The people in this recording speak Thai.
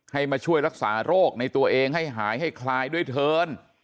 ให้มาช่วยรักษาโรคในตัวเองให้หายให้คลายด้วยเถิน